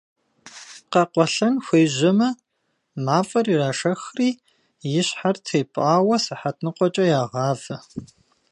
Къэкъуэлъэн хуежьэмэ, мафӏэр ирашэхри и щхьэр тепӏауэ сыхьэт ныкъуэкӏэ ягъавэ.